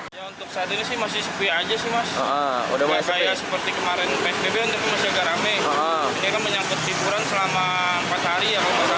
untuk saat ini masih sepi saja sih mas